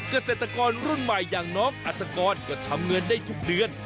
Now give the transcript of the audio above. เกษตรกรรุ่นใหม่อย่างน้องอัตกรก็ทำเงินได้ทุกเดือน